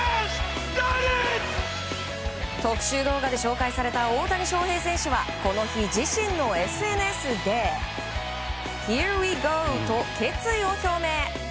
特集動画で紹介された大谷翔平選手はこの日、自身のＳＮＳで「Ｈｅｒｅｗｅｇｏ！」と決意を表明。